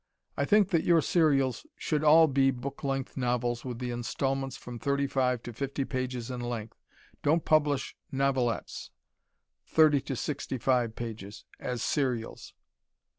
I think that your serials should all be book length novels with the installments from thirty five to fifty pages in length. Don't publish novelettes (thirty to sixty five pages) as serials.